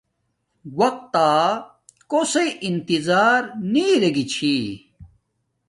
وقت تا کوسݵ انظار نی ارے گی چھی